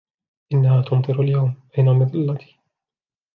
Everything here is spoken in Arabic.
إنها تمطر اليوم ، أين مظلتي ؟